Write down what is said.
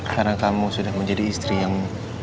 karena kamu sudah menjadi istri yang